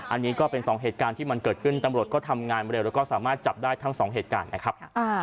อันนี้ก็เป็นสองเหตุการณ์ที่มันเกิดขึ้นตำรวจก็ทำงานเร็วแล้วก็สามารถจับได้ทั้งสองเหตุการณ์นะครับ